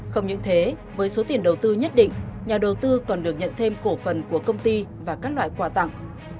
không những thế với số tiền đầu tư nhất định nhà đầu tư còn được nhận thêm cổ phần của công ty và các loại quà tặng